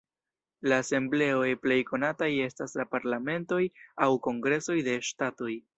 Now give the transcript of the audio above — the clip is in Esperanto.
La asembleoj plej konataj estas la parlamentoj aŭ kongresoj de ŝtatoj.